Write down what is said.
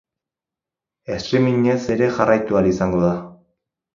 Streamingez ere jarraitu ahal izango da.